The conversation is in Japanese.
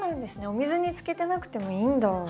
お水につけてなくてもいいんだ。